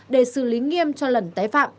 để xử lý nghiêm cho lần tái phạm